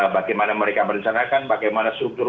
bagaimana mereka merencanakan bagaimana struktur